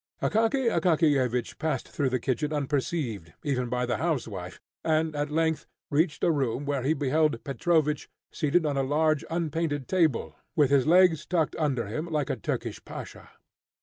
Akaky Akakiyevich passed through the kitchen unperceived, even by the housewife, and at length reached a room where he beheld Petrovich seated on a large unpainted table, with his legs tucked under him like a Turkish pasha.